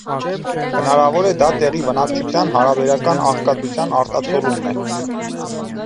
Հնարավոր է՝ դա տեղի բնակչության հարաբերական աղքատության արտացոլումն է։